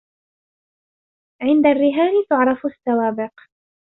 عند الرهان تعرف السوابق